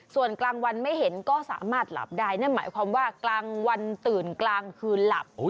ส่วนกลางวันไม่เห็นก็สามารถหลับได้นั่นหมายความว่ากลางวันตื่นกลางคืนหลับ